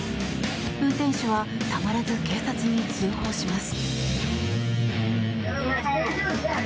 運転手はたまらず警察に通報します。